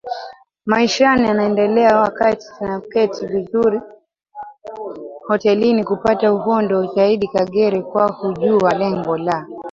maishani anaendelea wakati tunaketi vizuri hotelini kupata uhondo zaidiKagere kwa kujua lengo la